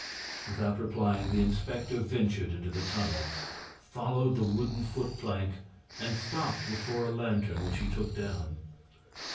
Without replying, the inspector ventured into the tunnel, followed the wooden foot plank and stopped before a lantern, which he took down.